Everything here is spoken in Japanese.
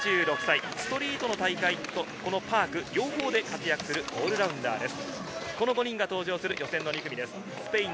ストリートとパーク、両方で活躍するオールラウンダーです。